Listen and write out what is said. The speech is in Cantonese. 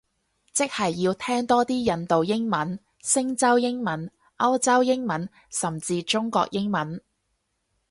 即係要聽多啲印度英文，星洲英文，歐洲英文，甚至中國英文